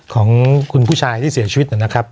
ของคุณผู้ชายที่เสียชีวิตนะครับ